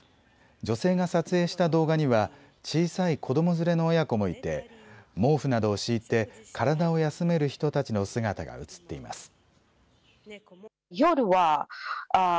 女性が撮影した動画には小さい子ども連れの親子もいて毛布などを敷いて体を休める人たちの姿が映っています。